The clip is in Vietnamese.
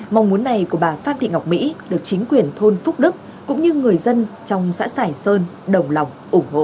mong muốn này của bà phan thị ngọc mỹ được chính quyền thôn phúc đức cũng như người dân trong xã sơn đồng lòng ủng hộ